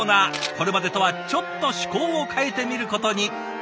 これまでとはちょっと趣向を変えてみることに。